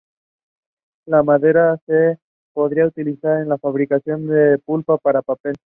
La madera se podría utilizar en la fabricación de pulpa para papel.